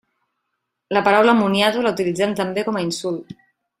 La paraula moniato la utilitzem també com a insult.